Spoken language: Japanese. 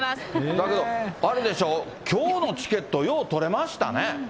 だけどあれでしょう、きょうのチケット、よう取れましたね。